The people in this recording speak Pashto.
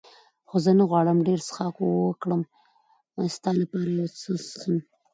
خو زه نه غواړم ډېر څښاک وکړم، ستا لپاره یو څه څښم.